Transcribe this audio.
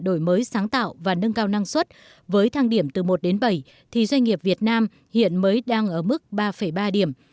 đổi mới sáng tạo và nâng cao năng suất với thang điểm từ một đến bảy thì doanh nghiệp việt nam hiện mới đang ở mức ba ba điểm